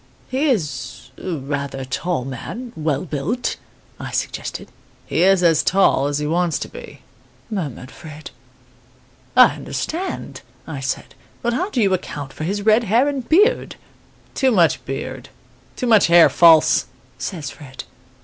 "'He is a rather tall man well built,' I suggested. "'He is as tall as he wants to be,' murmured Fred. "'I understand,' I said; 'but how do you account for his red hair and beard?' "'Too much beard too much hair false,' says Fred.